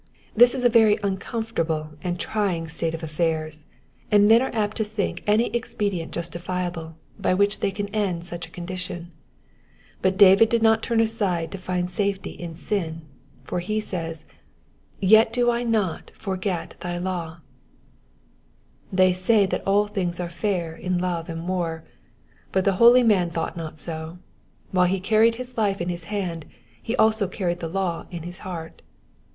This is a very uncomfortable and trying state of affairs, and men are apt to think any expedient justifiable by which they can end such a con dition : but David did not turn aside to find safety in sin, for he says, ^^Yet do I not forget thy law,''^ Tliey say that all things are fair in love and war ; but the holy man thought not so : while he carried his life in his hand, he also carried the law in his heart.